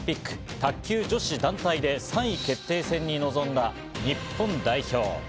卓球女子団体で３位決定戦に臨んだ日本代表。